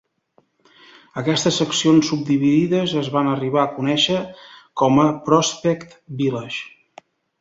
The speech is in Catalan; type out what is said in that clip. Aquestes seccions subdividides es van arribar a conèixer com a Prospect Village.